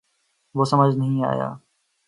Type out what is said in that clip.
وہ سمجھ نہیں آیا